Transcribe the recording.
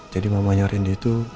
jadi mamanya rendi itu